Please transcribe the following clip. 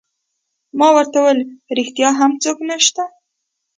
ما ورته وویل: ریښتیا هم څوک نشته؟